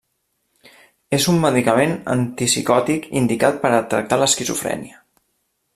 És un medicament antipsicòtic indicat per a tractar l'esquizofrènia.